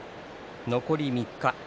残り３日。